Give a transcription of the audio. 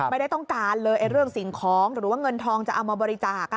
ไม่ได้ต้องการเลยเรื่องสิ่งของหรือว่าเงินทองจะเอามาบริจาค